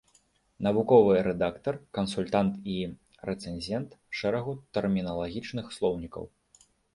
Навуковы рэдактар, кансультант і рэцэнзент шэрагу тэрміналагічных слоўнікаў.